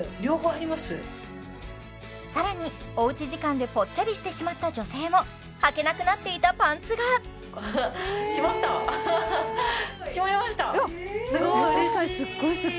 さらにおうち時間でぽっちゃりしてしまった女性もはけなくなっていたパンツがすごい嬉しい！